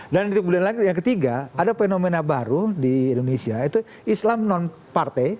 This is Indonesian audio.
dan yang ketiga ada fenomena baru di indonesia itu islam non partai